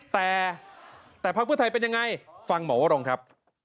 แต่แต่พักเพื่อไทยเป็นยังไงฟังหมอวรงครับ